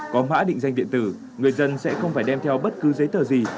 có mã định danh điện tử người dân sẽ không phải đem theo bất cứ giấy tờ gì